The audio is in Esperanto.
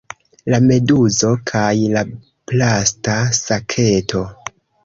La meduzo kaj la plasta saketo